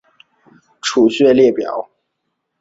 腧穴列表